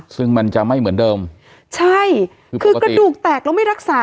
ซึ่งมันจะไม่เหมือนเดิมใช่คือกระดูกแตกแล้วไม่รักษา